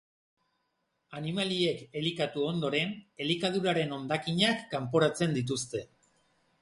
Animaliek elikatu ondoren, elikaduraren hondakinak kanporatzen dituzte.